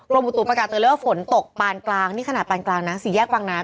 โรงบุตรประกาศเรียกว่าฝนตกปานกลางนี่ขนาดปานกลางนะสีแยกบังน้ำ